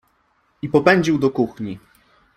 I popędził do kuchni.